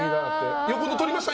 横の取りました？